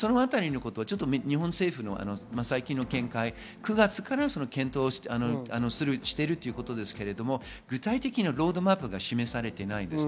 日本政府の最近の見解は９月から検討しているということですけれど、具体的なロードマップが示されていません。